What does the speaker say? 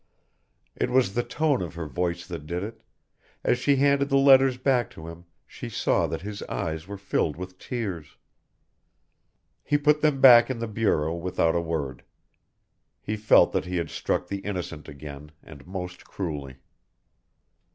It was the tone of her voice that did it as she handed the letters back to him, she saw that his eyes were filled with tears. He put them back in the bureau without a word. He felt that he had struck the innocent again and most cruelly.